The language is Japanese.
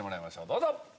どうぞ！